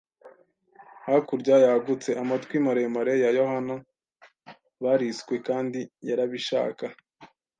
hakurya yagutse - Amatwi maremare ya Yohana, bariswe; kandi yarabishaka